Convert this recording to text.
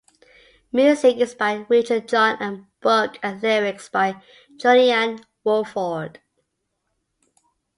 Music is by Richard John and book and lyrics by Julian Woolford.